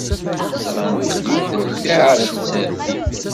Ẓṛan belli ur tenfiɛ ara tsertit.